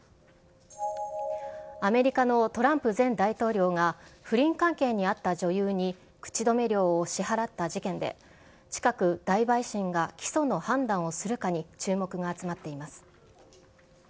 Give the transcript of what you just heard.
アメリカのトランプ前大統領が、不倫関係にあった女優に口止め料を支払った事件で、近く、大陪審が起訴の判断をするかに注目が集まっています。